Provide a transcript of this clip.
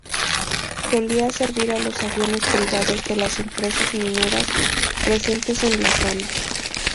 Solía servir a los aviones privados de las empresas mineras presentes en la zona.